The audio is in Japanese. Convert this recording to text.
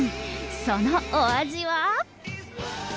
そのお味は？